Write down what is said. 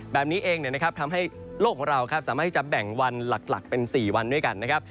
แบบนี้เองทำให้โลกของเราสามารถที่จะแบ่งวันหลักเป็น๔วันด้วยกันนะครับ